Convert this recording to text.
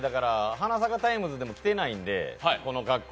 「花咲かタイムズ」でも着てないんで、この格好。